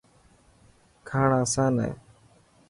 کاڻ آسان هي.